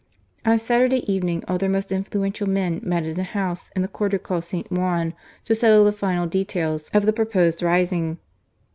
On Saturday evening all their most influential men met in a house in the quarter called St. Juan, to settle the final details of the proposed rising.